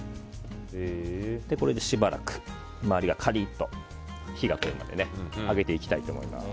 これでしばらく、周りにカリッと火が通るまで揚げていきます。